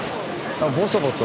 ぼそぼそ。